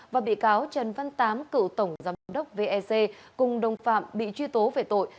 và bị cáo trần văn tám cựu tổng giám đốc vec cùng đồng phạm bị truy tố về tội